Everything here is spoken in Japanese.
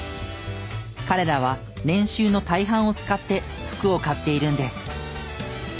彼らは年収の大半を使って服を買っているんです。